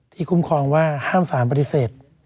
คุ้มครองว่าห้ามสารปฏิเสธ